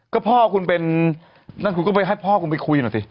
ก็พ่อคุณเป็นนั่นคุณก็ไปให้พ่อคุณไปคุยหน่อยสิ